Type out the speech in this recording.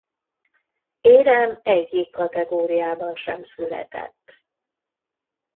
Érem egyik kategóriában sem született.